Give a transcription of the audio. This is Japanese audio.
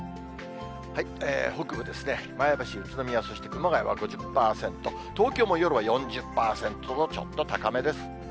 北部ですね、前橋、宇都宮、そして熊谷は５０％、東京も夜は４０％と、ちょっと高めです。